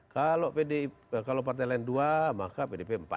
kalau partai lain dua maka pdip empat